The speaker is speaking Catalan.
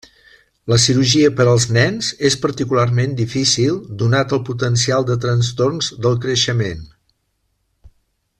La cirurgia per als nens és particularment difícil, donat el potencial de trastorns del creixement.